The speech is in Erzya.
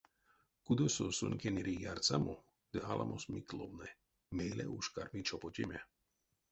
Кудосо сон кенери ярсамо ды аламос мик ловны, мейле уш карми чопотеме.